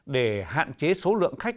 để hạn chế số lượng khách